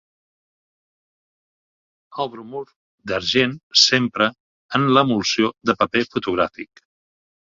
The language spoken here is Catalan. El bromur d'argent s'empra en l'emulsió de paper fotogràfic.